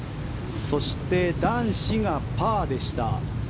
そして、男子がパーでした。